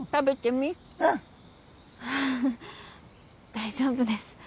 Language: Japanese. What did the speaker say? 大丈夫です。